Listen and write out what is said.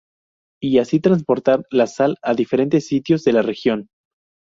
Y asi transportar la sal a diferentes sitios de la región.